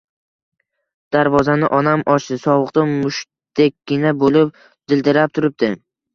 Darvozani onam ochdi. Sovuqda mushtdekkina bo'lib dildirab turibdi.